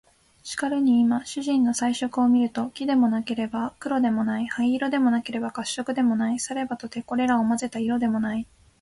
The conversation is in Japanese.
しかるに今主人の彩色を見ると、黄でもなければ黒でもない、灰色でもなければ褐色でもない、さればとてこれらを交ぜた色でもない